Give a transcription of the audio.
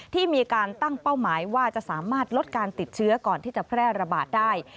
ที่มีการตั้งเป้าหมายว่าจะสามารถลดการติดเชื้อก่อนที่จะแพร่ระบาดได้